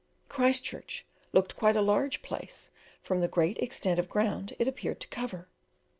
Christchurch looked quite a large place from the great extent of ground it appeared to cover.